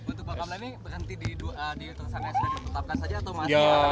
untuk pak kamla ini berhenti di tersangka yang sudah ditetapkan saja atau masih